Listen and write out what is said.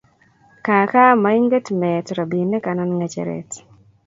kakaa moinget meet robinik anan ng'echeret